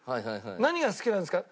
「何が好きなんですか？」